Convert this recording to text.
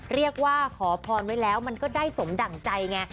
เรียกว่าขอพรไว้แล้วมันก็ได้สมดั่งใจไง